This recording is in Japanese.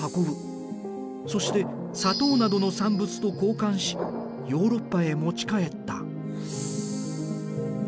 そして砂糖などの産物と交換しヨーロッパへ持ち帰った。